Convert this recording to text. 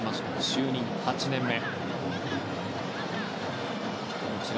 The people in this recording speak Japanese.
就任８年目。